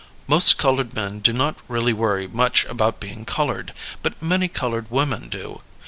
Most coloured men do not really worry much about being coloured, but many coloured women do.